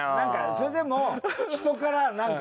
それでも人からなんか。